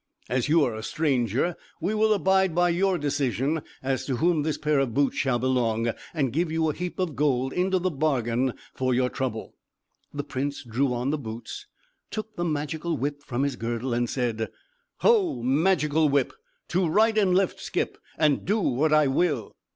As you are a stranger we will abide by your decision, as to whom this pair of boots shall belong, and give you a heap of gold into the bargain for your trouble." The prince drew on the boots, took the Magical Whip from his girdle, and said: "Ho! Magical Whip! To right and left skip! And do what I will!"